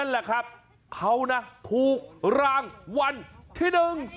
นั่นแหละครับเขานะถูกรางวัลที่๑